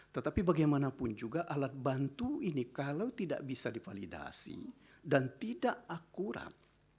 tetapi bagaimanapun juga alat bantu ini kalau tidak bisa divalidasi dan tidak akurat